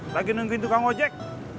lagi nungguin tukang ojek